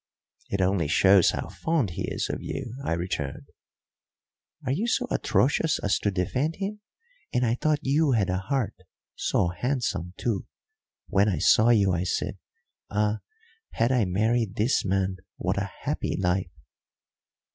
"It only shows how fond he is of you," I returned. "Are you so atrocious as to defend him? And I thought you had a heart so handsome, too! When I saw you I said, Ah, had I married this man, what a happy life!"